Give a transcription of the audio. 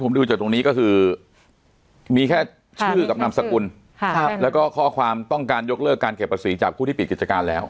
ผมดูจากตรงนี้ก็คือมีแค่ชื่อกับนามสกุลแล้วก็ข้อความต้องการยกเลิกการเก็บภาษีจากผู้ที่ปิดกิจการแล้ว